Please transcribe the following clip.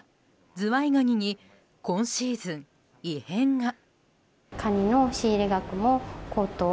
ズワイガニに今シーズン、異変が。